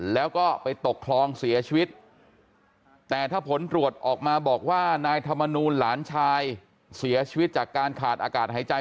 แล้วก็ไปตกคลองเสียชีวิตแต่ถ้าผลตรวจออกมาบอกว่านายธรรมนูลหลานชายเสียชีวิตจากการขาดอากาศหายใจ